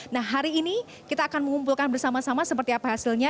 nah hari ini kita akan mengumpulkan bersama sama seperti apa hasilnya